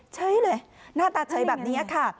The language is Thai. เฉยเลยหน้าตาเฉยแบบนี้ค่ะ